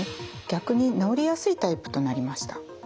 逆に治りやすいタイプとなりました。